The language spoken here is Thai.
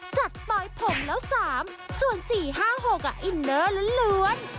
จัดปล่อยผมแล้วสามส่วนสี่ห้าหกอ่ะอิเนอร์ล้วน